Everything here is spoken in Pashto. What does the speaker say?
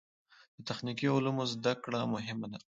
د تخنیکي علومو زده کړه مهمه ده.